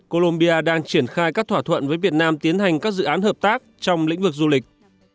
colombia đang triển khai các thỏa thuận với việt nam tiến hành các dự án hợp tác trong lĩnh vực du lịch